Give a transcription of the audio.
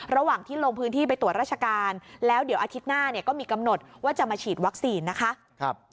ระหว่างที่ลงพื้นที่ไปตรวจราชการแล้วเดี๋ยวอาทิตย์หน้าเนี่ยก็มีกำหนดว่าจะมาฉีดวัคซีนนะคะ